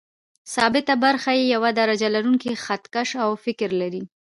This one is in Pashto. ثابته برخه یې یو درجه لرونکی خط کش او فک لري.